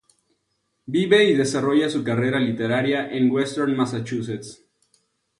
Vive y desarrolla su carrera literaria en Western Massachusetts.